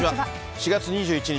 ４月２１日